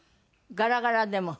ガラガラでも？